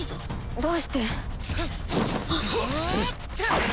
どうして。